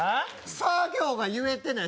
さ行が言えてない